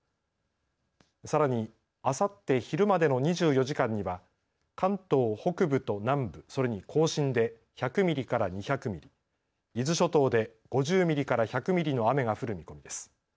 さらにあさって昼までの２４時間には関東北部と南部それに甲信で１００ミリから２００ミリ伊豆諸島で５０ミリから１００ミリの雨が降る見込みです。